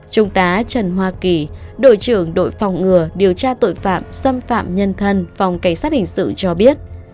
trung tá trần hoa kỳ đội trưởng đội phòng ngừa điều tra tội phạm xâm phạm nhân thân phòng cảnh sát hình sự cho biết